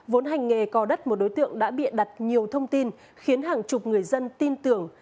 vốn hành nghề co đất một đối tượng đã bịa đặt nhiều thông tin khiến hàng chục người dân tin tưởng